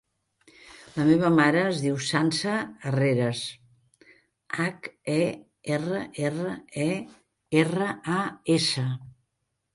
La meva mare es diu Sança Herreras: hac, e, erra, erra, e, erra, a, essa.